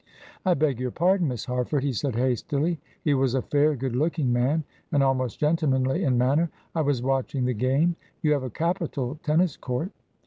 "I beg your pardon, Miss Harford," he said, hastily; he was a fair, good looking man, and almost gentlemanly in manner. "I was watching the game. You have a capital tennis court."